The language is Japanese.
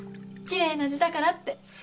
きれいな字だからって。